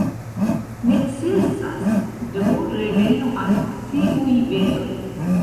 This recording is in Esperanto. Necesas do reveno al tiuj veroj.